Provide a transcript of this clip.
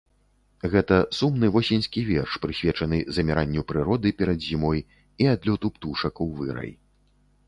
Гэта сумны восеньскі верш, прысвечаны заміранню прыроды перад зімой і адлёту птушак у вырай.